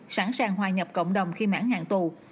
sẵn sàng hòa nhập cộng đồng khi mãn hạn tù